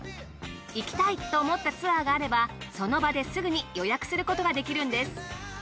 行きたいと思ったツアーがあればその場ですぐに予約することができるんです。